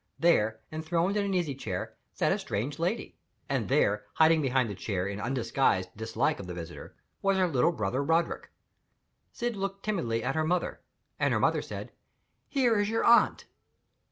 There, enthroned in an easy chair, sat a strange lady; and there, hiding behind the chair in undisguised dislike of the visitor, was her little brother Roderick. Syd looked timidly at her mother; and her mother said: "Here is your aunt."